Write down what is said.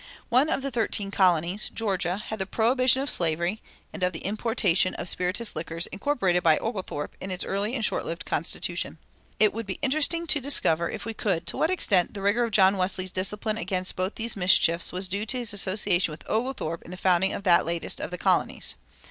One of the thirteen colonies, Georgia, had the prohibition of slavery and of the importation of spirituous liquors incorporated by Oglethorpe in its early and short lived constitution. It would be interesting to discover, if we could, to what extent the rigor of John Wesley's discipline against both these mischiefs was due to his association with Oglethorpe in the founding of that latest of the colonies.